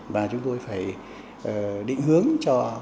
và chúng tôi phải định hướng cho